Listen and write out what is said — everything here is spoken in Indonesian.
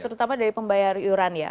terutama dari pembayar iuran ya